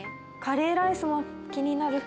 カレーライスも気になる。